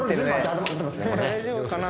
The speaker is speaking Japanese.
大丈夫かな。